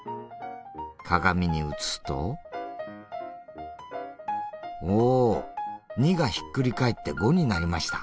鏡に映すとおお２がひっくり返って５になりました。